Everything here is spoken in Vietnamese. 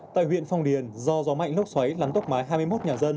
tại huyện phong điền do gió mạnh lốc xoáy lắn tốc máy hai mươi một nhà dân